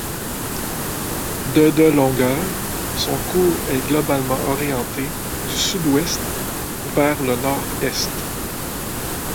De de longueur, son cours est globalement orienté du sud-ouest vers le nord-est.